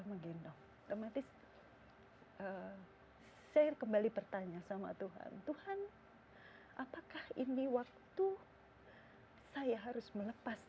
menggendong otomatis share kembali bertanya sama tuhan tuhan apakah ini waktu saya harus melepas